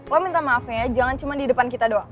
lo minta maaf ya jangan cuma di depan kita doang